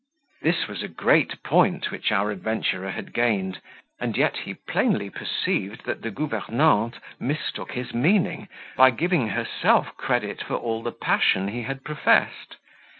This was a great point which our adventurer had gained; and yet he plainly perceived that the governante mistook his meaning, by giving herself credit for all the passion he had professed.